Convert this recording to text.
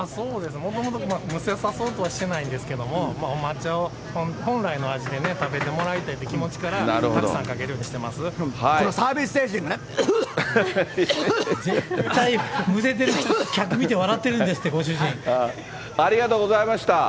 もともとむせさそうとしてはしてないんですけれども、抹茶を本来の味で食べてもらいたいという気持ちから、たくさんかこのサービス精神がね。絶対むせてる客見て笑ってるんですって、ありがとうございました。